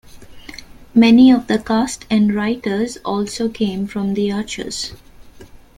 Many of the cast and writers also came from "The Archers".